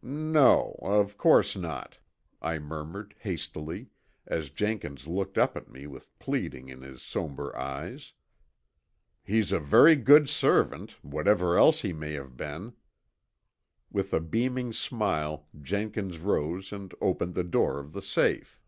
"No, of course not," I murmured hastily, as Jenkins looked up at me with pleading in his somber eyes. "He's a very good servant, whatever else he may have been." With a beaming smile Jenkins rose and opened the door of the safe.